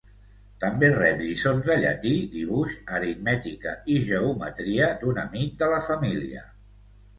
També rep lliçons de llatí, dibuix, aritmètica i geometria d’un amic de la família.